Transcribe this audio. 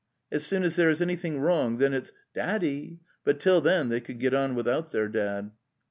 As soon as there is anything wrong then it's ' Daddy,' but till then they could get on without their dad.